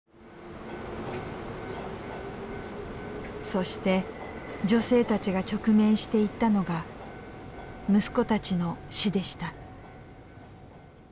そして女性たちが直面していったのが息子たちの死でした。